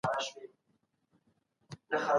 د ادم په پلونو پل ایښودل د نیکمرغۍ لار ده.